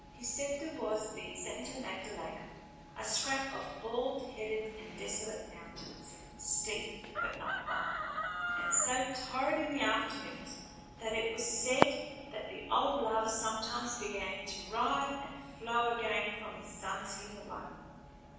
His sector was the Santa Magdalena, a scrap of bald headed and desolate mountains, steep but not high, and so torrid in the afternoons that it was said that the old lava sometimes began to writhe and flow again from the sun's heat alone.